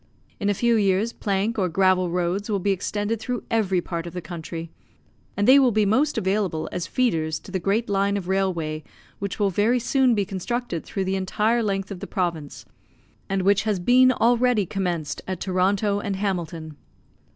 In a few years plank or gravel roads will be extended through every part of the country, and they will be most available as feeders to the great line of railway which will very soon be constructed through the entire length of the province, and which has been already commenced at Toronto and Hamilton.